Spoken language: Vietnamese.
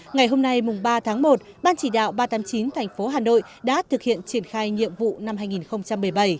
ngày hôm nay ba tháng một ban chỉ đạo ba trăm tám mươi chín thành phố hà nội đã thực hiện triển khai nhiệm vụ năm hai nghìn một mươi bảy